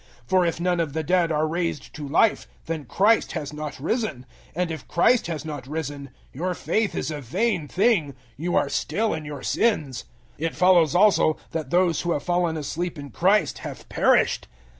015:016 For if none of the dead are raised to life, then Christ has not risen; 015:017 and if Christ has not risen, your faith is a vain thing you are still in your sins. 015:018 It follows also that those who have fallen asleep in Christ have perished.